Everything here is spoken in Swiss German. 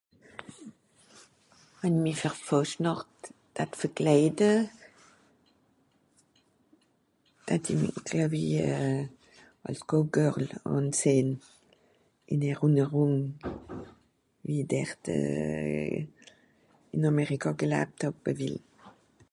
"wenn mi fer Foosenacht d'hatt verkleide d'hatti glieuwi as ""go girl ?"" ahnzehn in erinnerung wie dert in Amerika gelabt hab a will"